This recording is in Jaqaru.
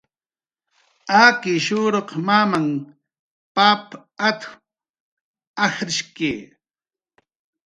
"Akishuruq mamahn pap at"" ajrshki"